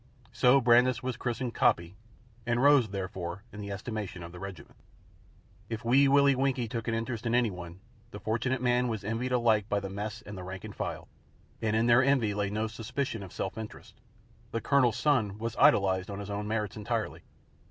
So Brandis was christened "Coppy," and rose, therefore, in the estimation of the regiment. If Wee Willie Winkie took an interest in any one, the fortunate man was envied alike by the mess and the rank and file. And in their envy lay no suspicion of self interest. "The Colonel's son" was idolized on his own merits entirely.